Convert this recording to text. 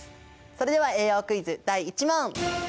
それでは栄養クイズ第１問！